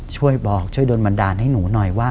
ช่วยบอกช่วยโดนบันดาลให้หนูหน่อยว่า